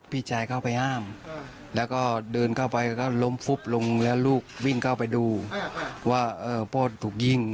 พี่ชายเข้าไปห้ามแล้วก็เดินเข้าไปก็ล้มฟุบลงแล้วลูกวิ่งเข้าไปดูว่าพ่อถูกยิง